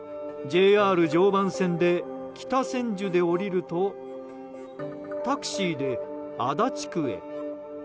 ＪＲ常磐線で北千住で降りるとタクシーで足立区へ。